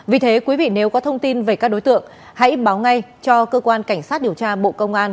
vì thế quý vị nếu có thông tin về các đối tượng hãy báo ngay cho cơ quan cảnh sát điều tra bộ công an